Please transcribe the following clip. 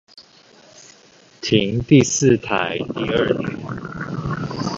停第四台第二年